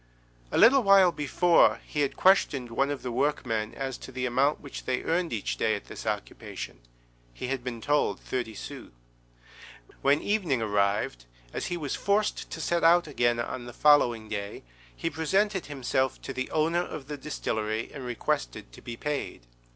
A little while before he had questioned one of the workmen as to the amount which they earned each day at this occupation; he had been told thirty sous. When evening arrived, as he was forced to set out again on the following day, he presented himself to the owner of the distillery and requested to be paid.